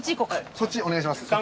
そっちお願いします。